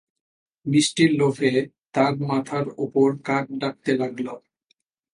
মিষ্টির লোভে তাঁর মাথার ওপর কাক ডাকতে লাগল।